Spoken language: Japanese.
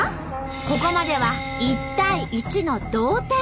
ここまでは１対１の同点。